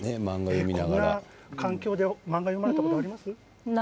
こんな環境で漫画を読んだことありますか？